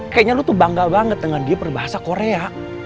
kayaknya lu tuh bangga banget dengan dia berbahasa korea